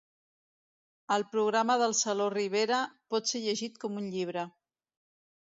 El programa del saló Ribera pot ser llegit com un llibre.